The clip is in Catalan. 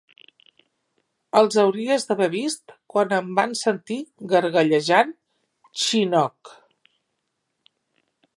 Els hauries d'haver vist quan em van sentir gargallejant chinook.